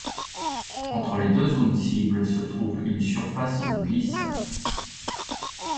Entre les deux zones-cibles se trouve une surface de glisse.